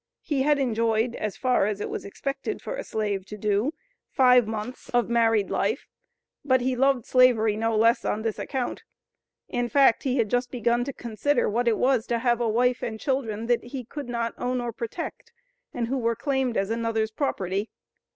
He had enjoyed, as far as it was expected for a slave to do, "five months of married life," but he loved slavery no less on this account. In fact he had just begun to consider what it was to have a wife and children that he "could not own or protect," and who were claimed as another's property.